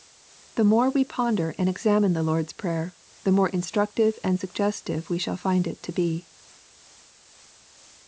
The more we ponder and examine the Lord's Prayer, the more instructive and suggestive shall we find it to be.